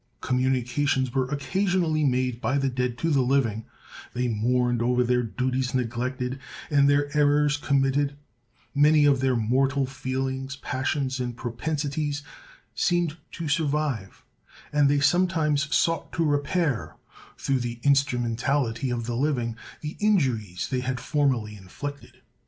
Communications were occasionally made by the dead to the living: they mourned over their duties neglected and their errors committed; many of their mortal feelings, passions, and propensities, seemed to survive; and they sometimes sought to repair, through the instrumentality of the living, the injuries they had formerly inflicted.